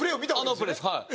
あのプレーですはい。